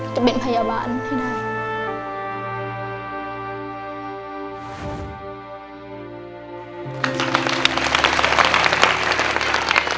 จะเป็นพยาบาลให้ได้